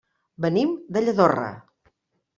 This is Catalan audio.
Venim de Lladorre.